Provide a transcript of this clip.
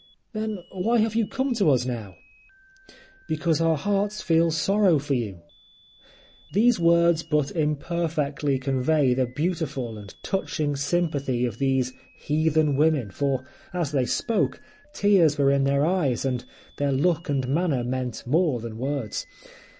"Then why have you come to us now?" "Because our hearts feel sorrow for you." These words but imperfectly convey the beautiful and touching sympathy of these heathen women, for as they spoke, tears were in their eyes, and their look and manner meant more than words.